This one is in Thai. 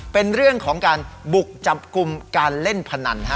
เป็นเรื่องของการบุกจับกลุ่มการเล่นพนัน